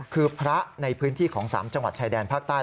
คือพระในพื้นที่ของ๓จังหวัดชายแดนภาคใต้